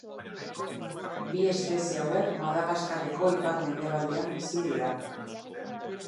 Bi espezie hauek Madagaskarreko ipar-mendebaldean bizi dira.